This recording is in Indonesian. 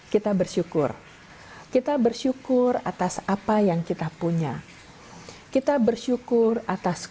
tidak melemari kesalahan katanya kalau kita menengah dengan maka dengan per entity empremen aku